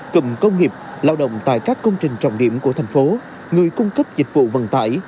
cụm công nghiệp lao động tại các công trình trọng điểm của thành phố người cung cấp dịch vụ vận tải